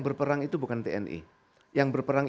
berperang itu bukan tni yang berperang